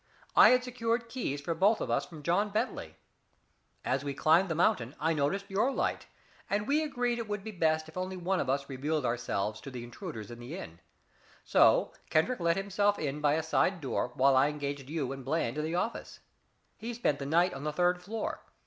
I had secured keys for us both from John Bentley. As we climbed the mountain, I noticed your light, and we agreed it would be best if only one of us revealed ourselves to the intruders in the inn. So Kendrick let himself in by a side door while I engaged you and Bland in the office. He spent the night on the third floor.